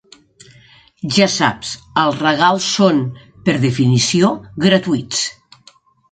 Ja saps, els regals són, per definició, gratuïts.